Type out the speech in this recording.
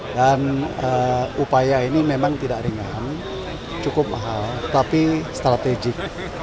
dan upaya ini memang tidak ringan cukup mahal tapi strategik